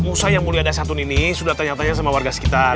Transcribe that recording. musa yang mulia dasyatun ini sudah tanya tanya sama warga sekitar